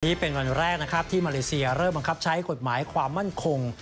วันนี้เป็นวันแรกนะครับที่มาเลเซียเริ่มบังคับใช้กฎหมายความมั่นคง